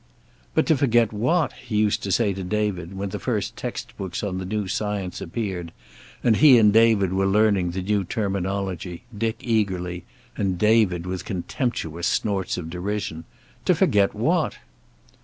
"But to forget what?" he used to say to David, when the first text books on the new science appeared, and he and David were learning the new terminology, Dick eagerly and David with contemptuous snorts of derision. "To forget what?"